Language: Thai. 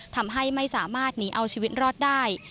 ทำให้ไม่สามารถหนีเอาชีวิตรอดได้